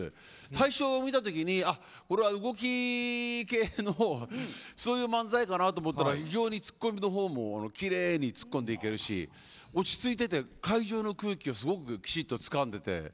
最初見たときにこれは動き系のそういう漫才かなと思ったら非常にツッコみのほうもきれいにツッコんでいけるし落ち着いてて、会場の空気をきちっとつかんでて。